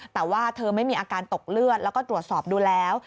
แต่ว่าเธอไม่มีอาการตกเลือดแล้วก็ตรวจสอบดูแล้ว